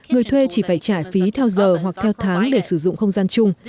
người thuê chỉ phải trả phí theo giờ hoặc theo tháng để sử dụng không gian chung